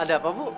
ada apa bu